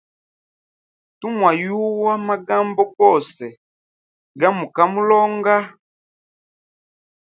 Tumwayuwa magambo gose gamukamulonga.